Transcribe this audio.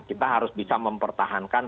kita harus bisa mempertahankan